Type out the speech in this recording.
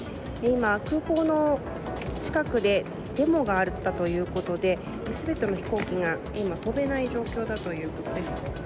今、空港の近くでデモがあったということで全ての飛行機が飛べない状況だということです。